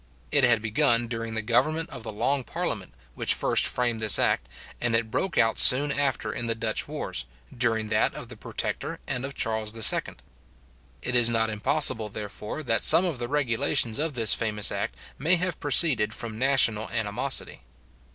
It had begun during the government of the long parliament, which first framed this act, and it broke out soon after in the Dutch wars, during that of the Protector and of Charles II. It is not impossible, therefore, that some of the regulations of this famous act may have proceeded from national animosity.